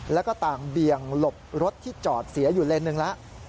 แล้วก็ต่างเบี่ยงหลบรถที่จอดเสียอยู่เลนหนึ่งแล้ว